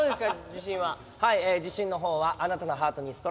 自信の方はあなたのハートにストライク。